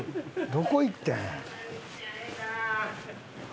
どこ行ってん。